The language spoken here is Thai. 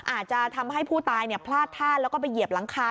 อาจจะทำให้ผู้ตายพลาดท่าแล้วก็ไปเหยียบหลังคา